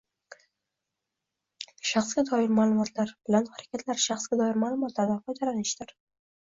shaxsga doir ma’lumotlar bilan harakatlar shaxsga doir ma’lumotlardan foydalanishdir.